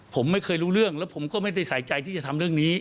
ผมไม่เคยรู้เรื่องแล้วผมก็ไม่ได้ใส่ใจที่จะทำเรื่องนี้